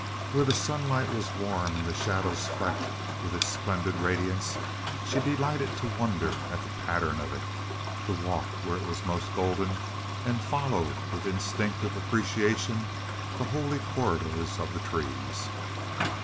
Where the sunlight was warm and the shadows flecked with its splendid radiance she delighted to wonder at the pattern of it, to walk where it was most golden, and follow with instinctive appreciation the holy corridors of the trees.